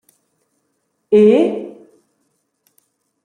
E?